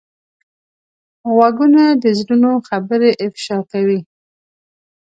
غوږونه د زړونو خبرې افشا کوي